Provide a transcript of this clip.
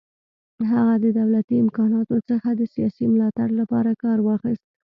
هغه د دولتي امکاناتو څخه د سیاسي ملاتړ لپاره کار واخیست.